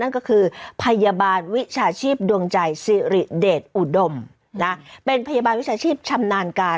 นั่นก็คือพยาบาลวิชาชีพดวงใจสิริเดชอุดมเป็นพยาบาลวิชาชีพชำนาญการ